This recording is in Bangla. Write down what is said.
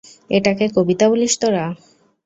এটাকে কবিতা বলিস তোরা?